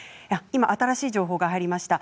今、新しい情報が入りました。